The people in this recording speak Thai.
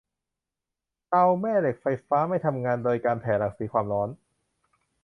เตาแม่เหล็กไฟฟ้าไม่ทำงานโดยการแผ่รังสีความร้อน